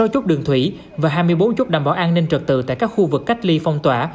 sáu chốt đường thủy và hai mươi bốn chốt đảm bảo an ninh trật tự tại các khu vực cách ly phong tỏa